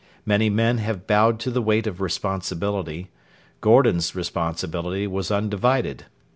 Many men have bowed to the weight of responsibility. Gordon's responsibility was undivided.